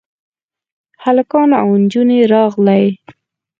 هلکان او نجونې راغلې.